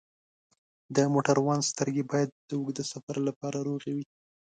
د موټروان سترګې باید د اوږده سفر لپاره روغې وي.